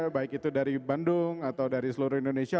yaitu dari bandung atau dari seluruh indonesia